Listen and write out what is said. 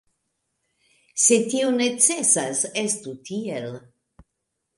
Se tio necesas, estu tiel.